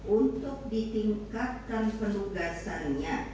untuk ditingkatkan penugasannya